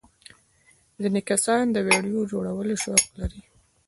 ځینې کسان د ویډیو جوړولو شوق لري.